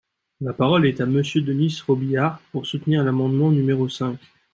La parole est à Monsieur Denys Robiliard, pour soutenir l’amendement numéro cinq.